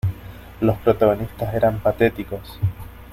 Los protagonistas eran patéticos.